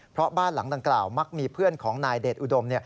เพราะบ้านหลังดังกล่าวมักมีเพื่อนของนายเดชอุดม